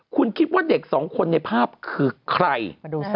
คุณคิดว่าเด็กสองคนในภาพคือใคร